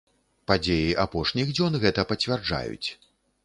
Падзеі апошніх дзён гэта пацвярджаюць.